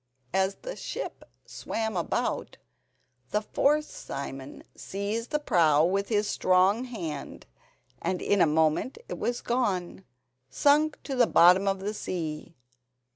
As the ship swam about, the fourth Simon seized the prow with his strong hand, and in a moment it was gone—sunk to the bottom of the sea.